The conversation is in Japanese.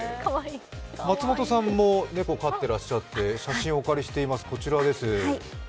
松本さんも猫飼ってらっしゃって、写真をお借りしています。